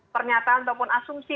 pernyataan ataupun asumsi